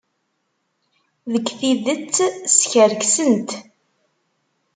Deg tidet, skerksent.